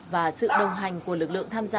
và sự đồng hành của lực lượng tham gia